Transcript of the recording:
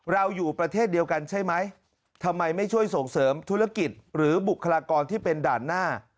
เราอยู่ประเทศเดียวกันใช่ไหมทำไมไม่ช่วยส่งเสริมธุรกิจหรือบุคลากรที่เป็นด่านหน้า